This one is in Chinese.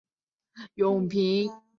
年号有永平。